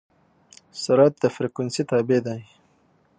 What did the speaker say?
سرعت د فریکونسي تابع دی.